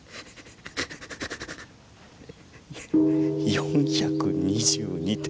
４２２て。